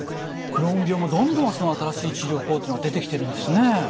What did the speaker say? クローン病もどんどん新しい治療法っていうのが出てきてるんですね。